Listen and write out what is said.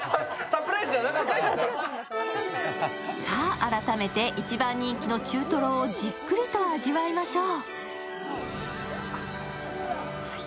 改めて一番人気の中とろをじっくりと味わいましょう。